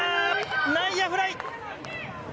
内野フライ。